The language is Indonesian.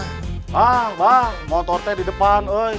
ah bang motornya di depan